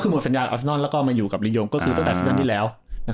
โว้ดสัญญาณอะฟนอนแล้วมาอยู่กับรียงก็คือต้นแต่สัปดาห์ที่แล้ว